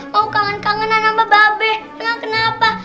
mau kangen kangenan sama babeh emang kenapa